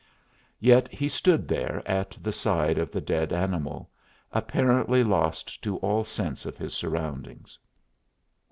Yet he stood there at the side of the dead animal, apparently lost to all sense of his surroundings.